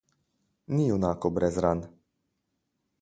Ni junakov brez ran.